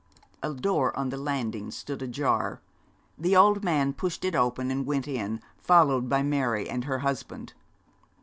A door on the landing stood ajar. The old man pushed it open and went in, followed by Mary and her husband.